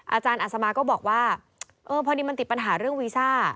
อาจารย์อัศมาก็บอกว่าเออพอดีมันติดปัญหาเรื่องวีซ่า